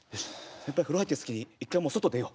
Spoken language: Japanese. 先輩風呂入ってる隙に一回もう外出よう。